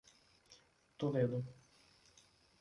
Toledo